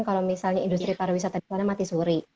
kalau misalnya industri pariwisata di sana mati suri